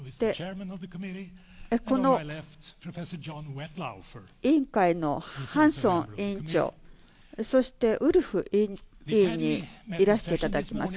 この委員会のハンソン委員長そしてウルフ委員にいらしていただきます。